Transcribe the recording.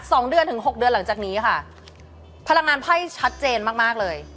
สองเดือนถึงหกเดือนหลังจากนี้ค่ะพลังงานไพ่ชัดเจนมากมากเลย